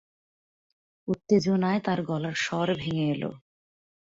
উত্তেজনায় তার গলার স্বর ভেঙে এল।